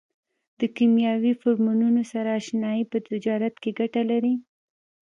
د کیمیاوي فورمولونو سره اشنایي په تجارت کې ګټه لري.